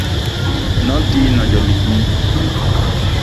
Nolti, noyolikni